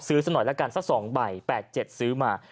สักหน่อยละกันสัก๒ใบ๘๗ซื้อมา